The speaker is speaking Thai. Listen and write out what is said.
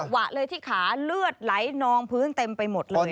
วะเลยที่ขาเลือดไหลนองพื้นเต็มไปหมดเลย